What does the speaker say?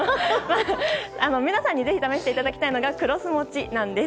皆さんにぜひ試していただきたいのがクロス持ちです。